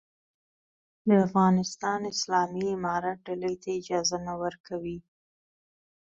د افغانستان اسلامي امارت ډلې ته اجازه نه ورکوي.